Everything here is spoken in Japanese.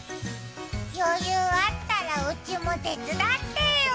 余裕あったら、うちも手伝ってよ